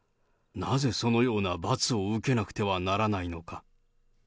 なぜそのような罰を受けなくてはいけないのか。